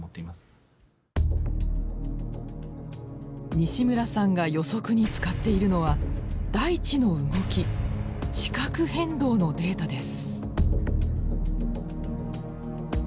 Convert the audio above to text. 西村さんが予測に使っているのは大地の動き地殻変動のデータです。